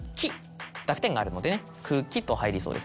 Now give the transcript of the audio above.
濁点があるのでね「くき」と入りそうですよね。